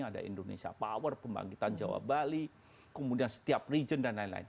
ada indonesia power pembangkitan jawa bali kemudian setiap region dan lain lain